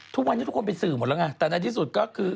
ทุกวันนี้ทุกคนเป็นสื่อหมดแล้วไงแต่ในที่สุดก็คือ